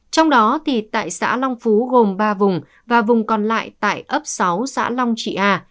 trong đó tại xã long phú gồm ba vùng và vùng còn lại tại ấp sáu xã long trị a